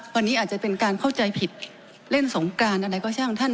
วันนี้อาจจะเป็นการเข้าใจผิดเล่นสงกรานอะไรก็ช่างท่าน